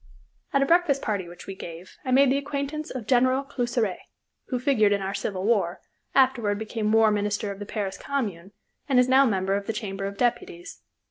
At a breakfast party which we gave, I made the acquaintance of General Cluseret, who figured in our Civil War, afterward became War Minister of the Paris Commune, and is now member of the Chamber of Deputies.